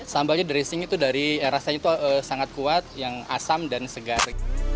sambalnya dressing itu rasanya sangat kuat yang asam dan segar